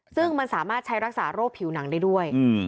ซึ่งมันสามารถใช้รักษาโรคผิวหนังได้ด้วย